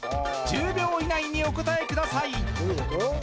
１０秒以内にお答えください